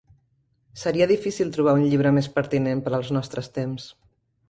Seria difícil trobar un llibre més pertinent per als nostres temps.